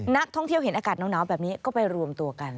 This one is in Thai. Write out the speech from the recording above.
นักท่องเที่ยวเห็นอากาศหนาวแบบนี้ก็ไปรวมตัวกัน